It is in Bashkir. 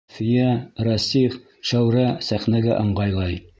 Әлфиә, Рәсих, Шәүрә сәхнәгә ыңғайлай.